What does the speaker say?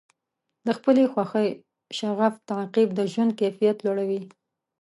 د خپلې خوښې شغف تعقیب د ژوند کیفیت لوړوي.